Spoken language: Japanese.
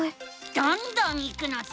どんどんいくのさ！